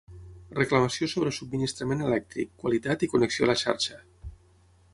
Reclamació sobre subministrament elèctric, qualitat i connexió a la xarxa.